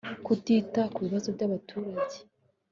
Kutita ku bibazo by’abaturage